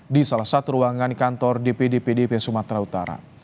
di salah satu ruangan kantor dpd pdp sumatera utara